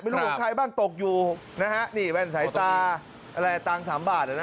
ของใครบ้างตกอยู่นะฮะนี่แว่นสายตาอะไรตังค์สามบาทอ่ะนะ